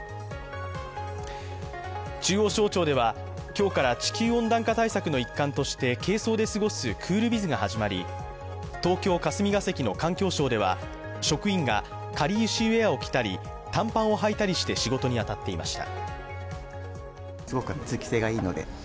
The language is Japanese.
中央省庁では今日から地球温暖化対策の一環として軽装で過ごすクールビズが始まり東京・霞が関の環境省では、職員がかりゆしウェアを着たり、短パンをはいたりして仕事に当たっていました。